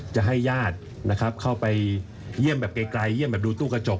จะให้ญาตินะครับเข้าไปเยี่ยมแบบไกลเยี่ยมแบบดูตู้กระจก